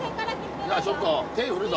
じゃあちょっと手振るぞ。